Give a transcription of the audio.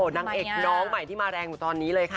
น้องเอกน้องที่อึดมาแรงตอนนี้เลยค่ะ